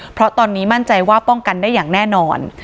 เพราะตอนนี้มั่นใจว่าป้องกันได้อย่างแน่นอน